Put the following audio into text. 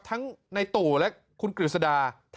นั่นแหละครับ